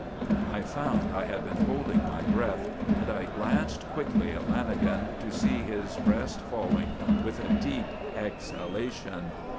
_" I found I had been holding my breath; and I glanced quickly at Lanagan, to see his breast falling with a deep exhalation.